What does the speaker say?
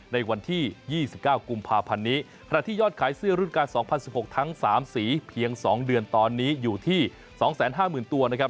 ในวันที่๒๙กุมภาพันธ์นี้ขณะที่ยอดขายเสื้อรุ่นการ๒๐๑๖ทั้ง๓สีเพียง๒เดือนตอนนี้อยู่ที่๒๕๐๐๐ตัวนะครับ